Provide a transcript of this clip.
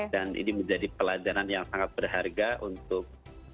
dan ini menjadi pelajaran yang sangat berharga untuk